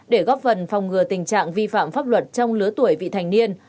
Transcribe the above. để góp phần phòng ngừa tình trạng vi phạm pháp luật trong lứa tuổi vị thành niên